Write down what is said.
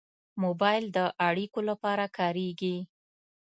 موبایل د اړیکو لپاره کارېږي.